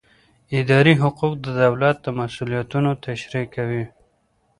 اداري حقوق د دولت مسوولیتونه تشریح کوي.